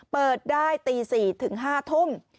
เปิดได้๔๕ทุ่ม